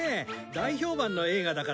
大評判の映画だからね